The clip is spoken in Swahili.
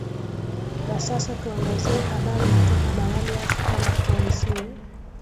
na sasa tuangazie habari kutoka barani afrika na tuanzie